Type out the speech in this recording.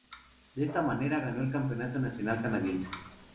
De esta manera ganó el campeonato nacional canadiense.